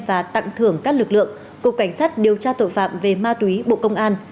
và tặng thưởng các lực lượng cục cảnh sát điều tra tội phạm về ma túy bộ công an